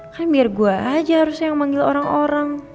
kan biar gue aja harusnya yang manggil orang orang